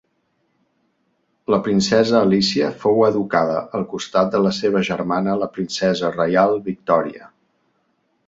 La princesa Alícia fou educada al costat de la seva germana la princesa reial Victòria.